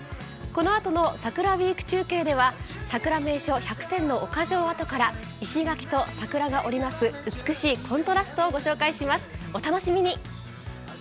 このあとの桜ウィーク中継ではさくら名所１００選の岡城跡から石垣と桜が織り成す美しいコントラストをお送りします、お楽しみに。